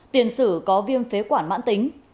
tiền sử có viêm phế quản mãn tính